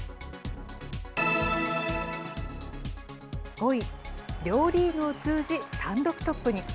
５位、両リーグを通じ、単独トップに。